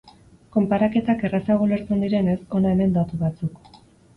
Konparaketak errazago ulertzen direnez, hona hemen datu batzuk.